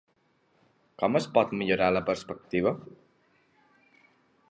Com es pot millorar la perspectiva?